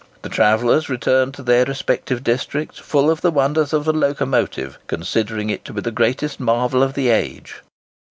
The travellers returned to their respective districts full of the wonders of the locomotive, considering it to be the greatest marvel of the age.